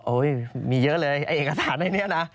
โอ้ยมีเยอะเลยเอกสารในนี้นะ